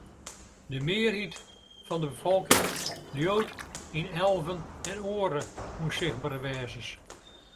De mearheid fan de befolking leaut yn elven en oare ûnsichtbere wêzens.